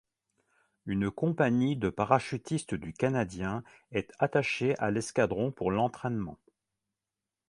Une compagnie de parachutistes du canadien est attaché à l'escadron pour l'entraînement.